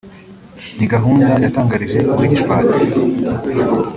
ni gahunda yatangirije muri Gishwati